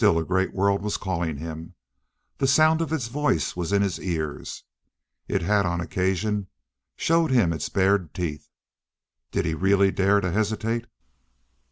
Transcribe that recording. Still a great world was calling him. The sound of its voice was in his ears. It had on occasion shown him its bared teeth. Did he really dare to hesitate?